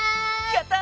やった。